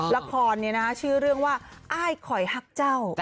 ละครเนี่ยนะชื่อเรื่องว่าอ้ายข่อยหักเจ้า